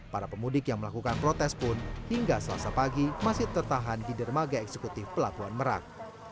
para pemudik yang melakukan protes pun hingga selasa pagi masih tertahan di dermaga eksekutif pelabuhan merak